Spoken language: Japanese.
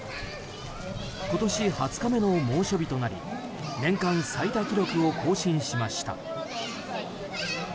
今年２０日目の猛暑日となり年間最多記録を更新しました。